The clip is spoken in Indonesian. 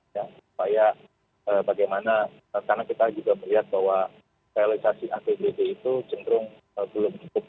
supaya bagaimana karena kita juga melihat bahwa realisasi apbd itu cenderung belum cukup